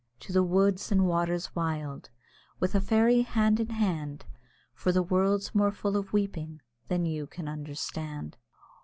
To the woods and waters wild. With a fairy hand in hand, For the world's more full of weeping than you can understand.